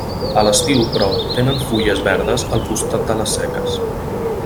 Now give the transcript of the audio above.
A l'estiu, però, tenen fulles verdes al costat de les seques.